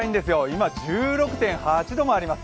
今、１６．８度もあります。